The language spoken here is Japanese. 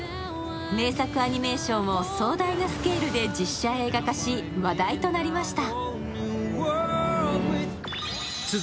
名作アニメーションを壮大なスケールで実写映画化し、話題となりました。